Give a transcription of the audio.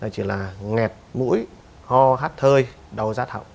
chỉ là nghẹt mũi ho hắt thơi đau rát họng